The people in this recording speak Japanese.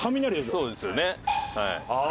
そうですよねはい。